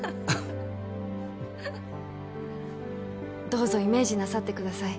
どうぞイメージなさってください